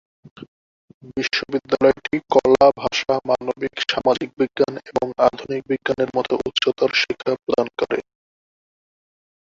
বিশ্ববিদ্যালয়টি কলা, ভাষা, মানবিক, সামাজিক বিজ্ঞান এবং আধুনিক বিজ্ঞান এর মত উচ্চতর শিক্ষা প্রদান করে।